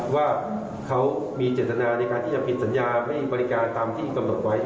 ว่าเขามีเจตนาในการที่จะผิดสัญญาไม่บริการตามที่กำหนดไว้